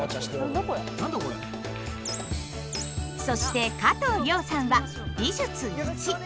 そして加藤諒さんは「美術Ⅰ」。